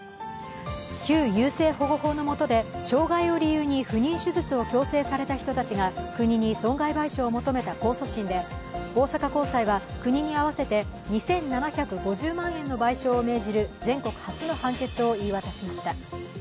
旧優生保護法のもとで障害を理由に不妊手術を強制された人たちが、国に損害賠償を求めた控訴審で大阪高裁は国に合わせて２７５０万円の賠償を命じる全国初の判決を言い渡しました。